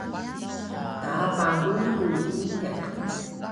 Taapa rulu puniq